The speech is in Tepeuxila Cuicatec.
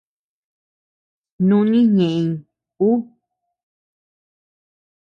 Snúni neʼeñ ú.